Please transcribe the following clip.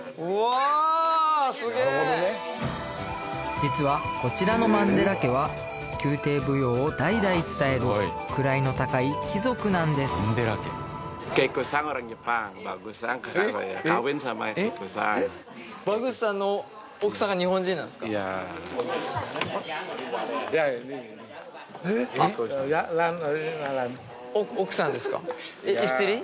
実はこちらのマンデラ家は宮廷舞踊を代々伝える位の高い貴族なんですヤー